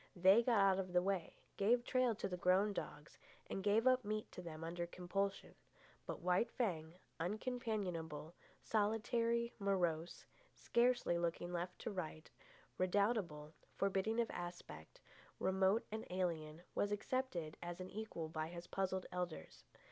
They got out of the way, gave trail to the grown dogs, and gave up meat to them under compulsion. But White Fang, uncompanionable, solitary, morose, scarcely looking to right or left, redoubtable, forbidding of aspect, remote and alien, was accepted as an equal by his puzzled elders.